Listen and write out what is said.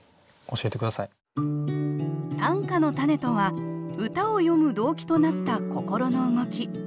「短歌のたね」とは歌を詠む動機となった心の動き。